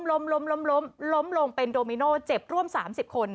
ล้มล้มลงเป็นโดมิโนเจ็บร่วม๓๐คน